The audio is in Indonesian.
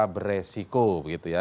beresiko begitu ya